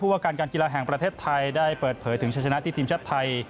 ว่าการการกีฬาแห่งประเทศไทยได้เปิดเผยถึงชัยชนะที่ทีมชาติไทย